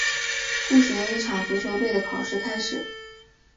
故事由一场足球队的考试开始。